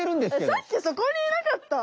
さっきそこにいなかった？